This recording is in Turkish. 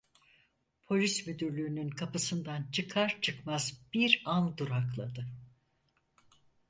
Polis müdürlüğünün kapısından çıkar çıkmaz bir an durakladı.